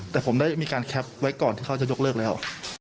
แต่ผมได้มีการแคปไว้ก่อนที่เขาจะยกเลิกแล้ว